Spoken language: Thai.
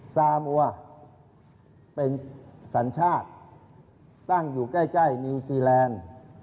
ซามัวเป็นสัญชาติตั้งอยู่ใกล้นิวซีแลนด์